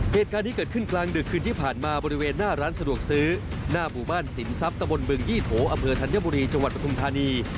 เหตุการณ์นี้เกิดขึ้นกลางดึกคืนที่ผ่านมาบริเวณหน้าร้านสะดวกซื้อหน้าหมู่บ้านสินทรัพย์ตะบนบึงยี่โถอำเภอธัญบุรีจังหวัดปทุมธานี